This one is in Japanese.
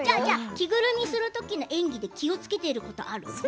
着ぐるみの演技で気をつけていることある？